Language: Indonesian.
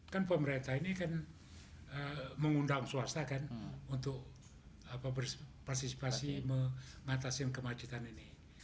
kan pemerintah ini kan mengundang swasta kan untuk berpartisipasi mengatasi kemacetan ini